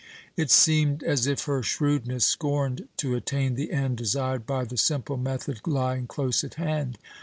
It seemed as if her shrewdness scorned to attain the end desired by the simple method lying close at hand.